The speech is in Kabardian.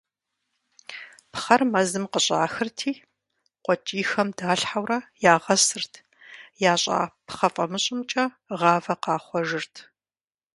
Пхъэр мэзым къыщӏахырти, къуэкӏийхэм далъхьэурэ ягъэсырт, ящӏа пхъэ фӏамыщӏымкӏэ гъавэ къахъуэжырт.